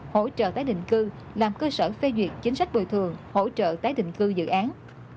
hỗ trợ tái định cư làm cơ sở phê duyệt chính sách bồi thường hỗ trợ tái định cư dự án